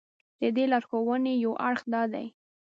د دې لارښوونې یو اړخ دا دی.